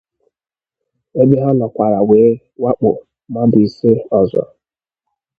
ebe ha nọkwara wee wakpò mmadụ ise ọzọ